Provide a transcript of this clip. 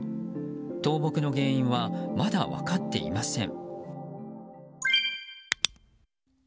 倒木の原因はまだ分かっていません。